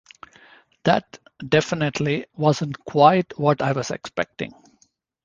That definitely wasn't quite what I was expecting.